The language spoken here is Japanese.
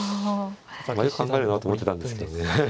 よく考えるなと思ってたんですけどね。